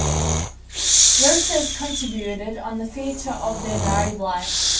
Roces contributed on the feature of their married life.